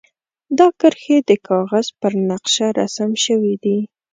دا کرښې د کاغذ پر نقشه رسم شوي دي.